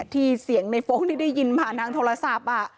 ที่เสียงในโฟลกที่ได้ยินผ่านทางโทรศัพท์